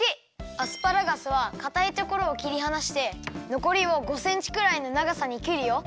アスパラガスはかたいところをきりはなしてのこりを５センチくらいのながさにきるよ。